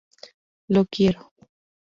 Lo quiero".